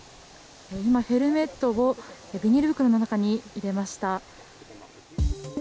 今、ヘルメットをビニール袋の中に入れました。